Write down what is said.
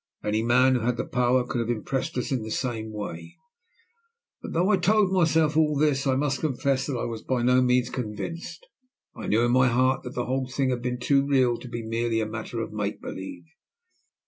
Any man who had the power could have impressed us in the same way. But though I told myself all this, I must confess that I was by no means convinced. I knew in my heart that the whole thing had been too real to be merely a matter of make believe.